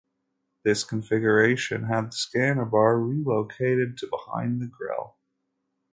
This configuration had the scanner bar relocated to behind the grille.